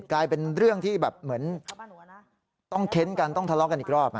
กลายเป็นเรื่องที่แบบเหมือนต้องเค้นกันต้องทะเลาะกันอีกรอบ